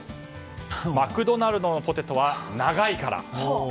マクドナルドのポテトは長いから。